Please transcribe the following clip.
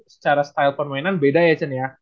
secara style permainan beda ya chen ya